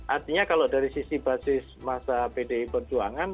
artinya kalau dari sisi basis masa pdi perjuangan